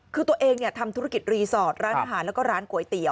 คือตัวเองทำธุรกิจรีสอร์ทร้านอาหารแล้วก็ร้านก๋วยเตี๋ย